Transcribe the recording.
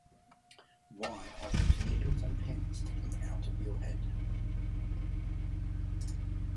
Why are those needles and pins sticking out of your head?